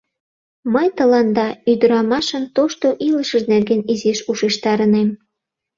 Мый тыланда ӱдырамашын тошто илышыж нерген изиш ушештарынем.